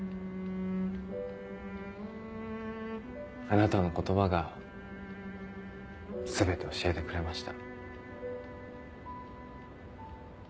あなたの言葉が全て教えてくれました。